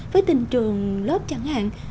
với tình trường lớp chẳng hạn